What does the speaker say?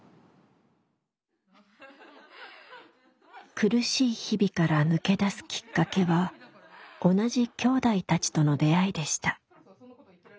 苦しい日々から抜け出すきっかけは同じきょうだいたちとの出会いでした。